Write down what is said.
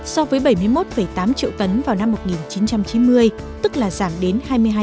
so với bảy mươi một tám triệu tấn vào năm một nghìn chín trăm chín mươi tức là giảm đến hai mươi hai